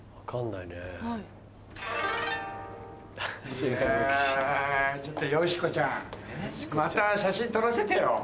いやちょっと美子ちゃんまた写真撮らせてよ。